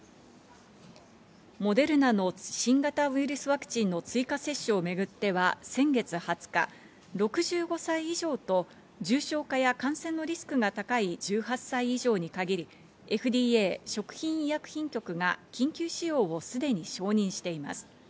モデルナの新型ウイルスワクチンの追加接種をめぐっては先月２０日、６５歳以上と重症化や感染のリスクが高い１８歳以上に限り、ＦＤＡ＝食品医薬品局が緊急使用をすでに承認しています。